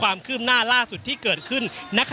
อย่างที่บอกไปว่าเรายังยึดในเรื่องของข้อ